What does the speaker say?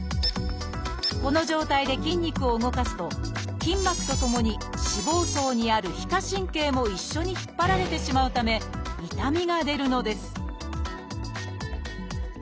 この状態で筋肉を動かすと筋膜とともに脂肪層にある皮下神経も一緒に引っ張られてしまうため痛みが出るのです